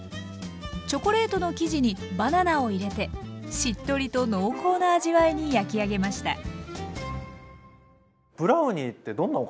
チョコレートの生地にバナナを入れてしっとりと濃厚な味わいに焼き上げました。